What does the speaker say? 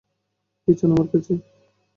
কী চান আমার কাছে?